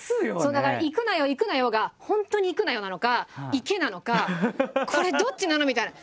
だから「いくなよいくなよ」が「本当にいくなよ」なのか「いけ」なのかこれどっちなの？みたいな。